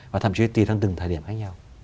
và thậm chí tùy theo từng thời điểm khác nhau